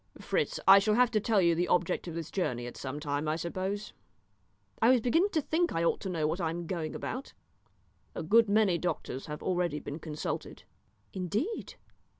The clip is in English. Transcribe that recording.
"Fritz, I shall have to tell you the object of this journey at some time, I suppose?" "I was beginning to think I ought to know what I am going about." "A good many doctors have already been consulted." "Indeed!"